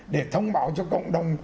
để thông báo cho cộng đồng